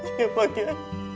iya pak kiai